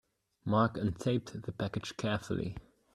Mark untaped the package carefully.